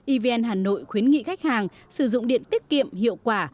evn hà nội khuyến nghị khách hàng sử dụng điện tiết kiệm hiệu quả